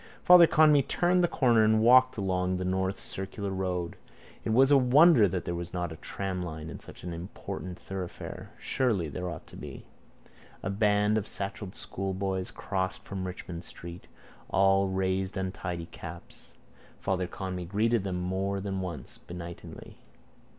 Father Conmee turned the corner and walked along the North Circular road. It was a wonder that there was not a tramline in such an important thoroughfare. Surely, there ought to be. A band of satchelled schoolboys crossed from Richmond street. All raised untidy caps. Father Conmee greeted them more than once benignly.